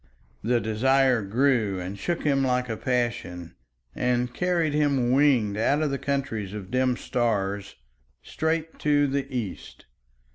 The desire grew and shook him like a passion and carried him winged out of the countries of dim stars straight to the East.